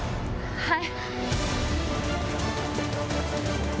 はい。